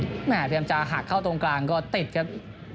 ไม่หาเตรียมจ้าหักเข้าตรงกลางก็ติดครับ